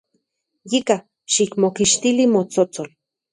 Yika, xikmokixtili motsotsol.